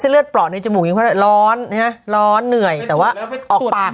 เลือดปลอดในจมูกร้านเตะเตะยังร้อนเนื่อยแต่ว่าออกปาก